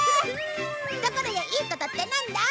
ところでいいことってなんだ？